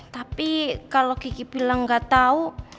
tapi kalau gigi bilang gak tau